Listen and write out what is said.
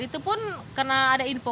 itu pun karena ada info